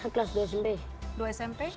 kelas dua smp